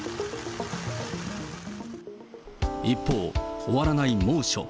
一方、終わらない猛暑。